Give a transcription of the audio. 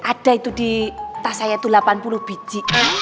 ada itu di tas saya itu delapan puluh biji